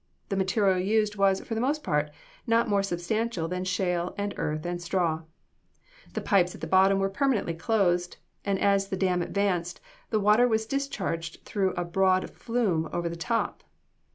The material used was, for the most part, not more substantial than shale and earth and straw. The pipes at the bottom were permanently closed, and as the dam advanced, the water was discharged through a board flume over the top.